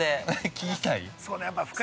◆聞きたい？